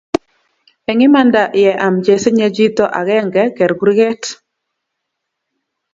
eng' imanda ye am chesinye chito agenge ker kurget